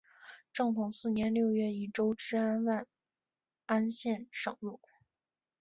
正统四年六月以州治万安县省入。